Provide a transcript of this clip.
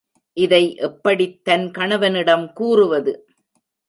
இதை எப்படித் தன் கணவனிடம் கூறுவது?